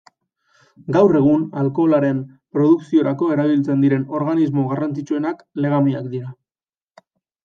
Gaur egun alkoholaren produkziorako erabiltzen diren organismo garrantzitsuenak legamiak dira.